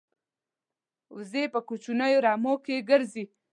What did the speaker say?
وزې په کوچنیو رمو کې ګرځي